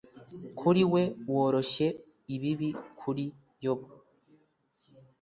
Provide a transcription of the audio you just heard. kuri we woroshye ibibi kuri yobu